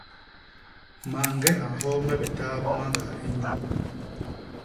Mañge a nhoo me bitaa bi mañga inyuu.